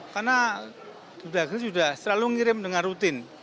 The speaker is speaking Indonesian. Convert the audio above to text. karena sudah selalu ngirim dengan rutin